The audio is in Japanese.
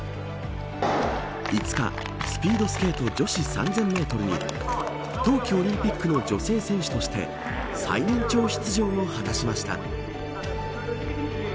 ５日、スピードスケート女子３０００メートルに冬季オリンピックの女性選手として最年長出場を果たしました。